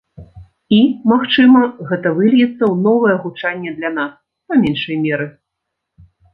І, магчыма, гэта выльецца ў новае гучанне для нас, па меншай меры.